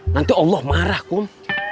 nanti allah marah kum